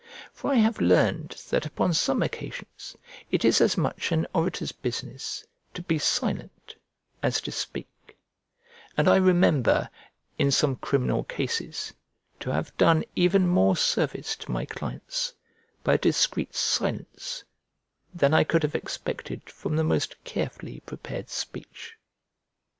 For I have learned that upon some occasions it is as much an orator's business to be silent as to speak, and I remember, in some criminal cases, to have done even more service to my clients by a discreet silence than I could have expected from the most carefully prepared speech.